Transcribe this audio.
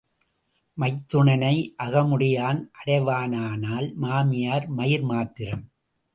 மைத்துனனை, அகமுடையான் அடைவானால் மாமியார் மயிர் மாத்திரம்.